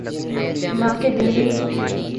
نہ کہ دہلی۔